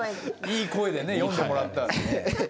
いい声でね読んでもらった。